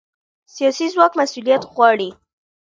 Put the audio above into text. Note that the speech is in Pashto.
سیاسي ځواک مسؤلیت غواړي